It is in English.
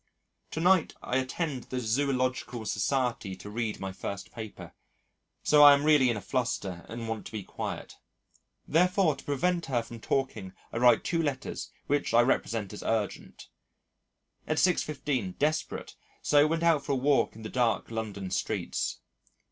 To night I attend the Zoological Society to read my first paper, so I am really in a fluster and want to be quiet. Therefore to prevent her from talking I write two letters which I represent as urgent. At 6.15 desperate, so went out for a walk in the dark London streets.